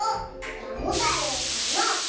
モタレイさんの「モ」！